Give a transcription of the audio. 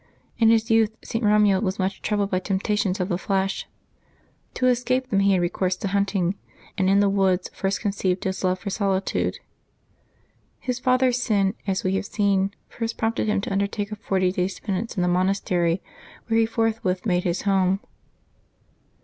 In his youth St. Eomuald was much troubled by temp tations of the flesh. To escape them he had recourse to hunting, and in the woods first conceived his love for Febbuabt 8] LIVES OF THE SAINTS 67 solitude. His fathers sin, as we have seen, first prompted him to undertake a forty days' penance in the monaster}^ which he forthwith made his home.